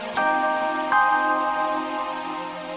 sampai jumpa lagi